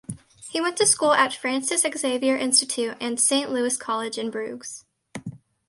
He went to school at Francis Xavier Institute and Saint Louis College in Bruges.